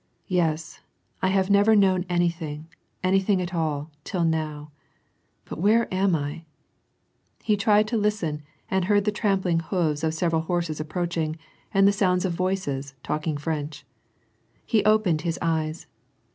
"Yes, I have never known anything, anything at all, till now. But where am I ?" He tried to listen, and heard the trampling hoofs of several horses approaching, and the sounds of voices, talking French. He opened his eyes.